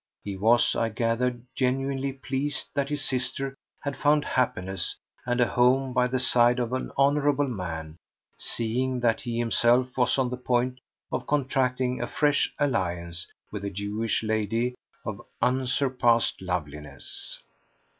He was, I gathered, genuinely pleased that his sister had found happiness and a home by the side of an honourable man, seeing that he himself was on the point of contracting a fresh alliance with a Jewish lady of unsurpassed loveliness.